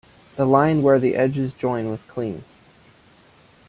The line where the edges join was clean.